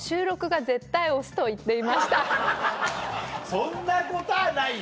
そんなことはないよ